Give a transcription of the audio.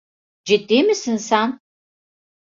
Ciddi misin sen?